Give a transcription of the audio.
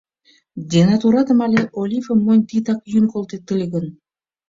— Денатуратым але олифым монь титак йӱын колтет ыле гын?